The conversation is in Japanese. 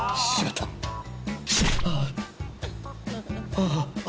ああ。